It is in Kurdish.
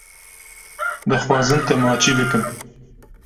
Dixwazim te maçî bikim.